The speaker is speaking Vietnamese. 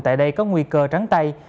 tại đây có nguy cơ trắng tay